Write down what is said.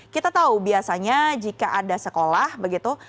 kita tahu biasanya jika ada sekolah begitu